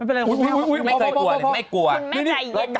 มันเป็นเรื่องที่เราเคยถ่ายแป๊บคืนนี้คืน